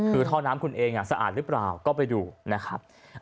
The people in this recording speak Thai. คือท่อน้ำคุณเองสะอาดหรือเปล่าก็ไปดูนะครับ